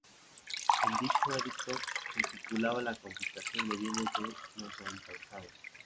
En dicho edicto se estipulaba la confiscación de bienes de los encausados.